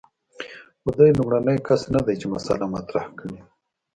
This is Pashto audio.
خو دی لومړنی کس نه دی چې مسأله مطرح کړې ده.